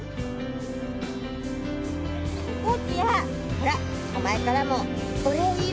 ほらお前からもお礼言いなさい。